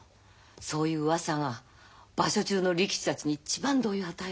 そういううわさが場所中の力士たちに一番動揺を与えるの。